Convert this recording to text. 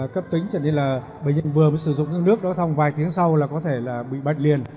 cấp tính cho nên là bệnh nhân vừa mới sử dụng những nước đó trong vài tiếng sau là có thể là bị bệnh liền